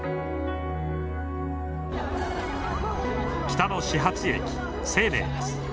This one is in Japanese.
北の始発駅西寧です。